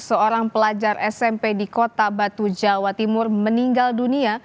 seorang pelajar smp di kota batu jawa timur meninggal dunia